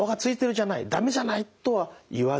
駄目じゃない」とは言わずにですね